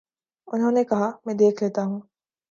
انہوں نے کہا: میں دیکھ لیتا ہوں۔